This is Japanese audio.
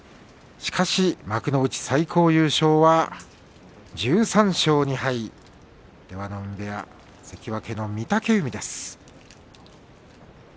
しかし幕内最高優勝は１３勝２敗、出羽海部屋関脇の御嶽海です。